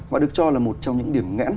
mà được cho là một trong những điểm ngẽn